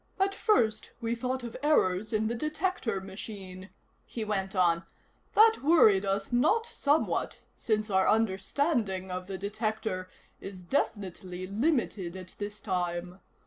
"At first we thought of errors in the detector machine," he went on. "That worried us not somewhat, since our understanding of the detector is definitely limited at this time.